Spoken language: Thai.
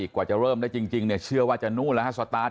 กว่าจะเริ่มเล่าจริงเชื่อว่าจะรู้นะครับ